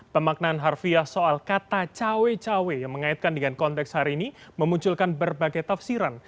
pemaknaan harfiah soal kata cawe cawe yang mengaitkan dengan konteks hari ini memunculkan berbagai tafsiran